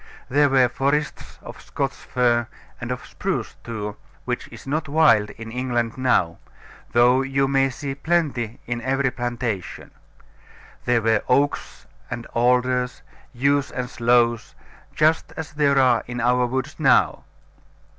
There were forests of Scotch fir, and of spruce too, which is not wild in England now, though you may see plenty in every plantation. There were oaks and alders, yews and sloes, just as there are in our woods now.